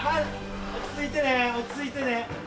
落ち着いてね落ち着いてね。